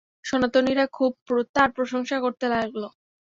সনাতনীরা খুব তার প্রশংসা করতে লাগল।